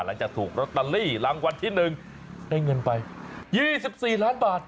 หลังจากถูกลอตเตอรี่รางวัลที่๑ได้เงินไป๒๔ล้านบาท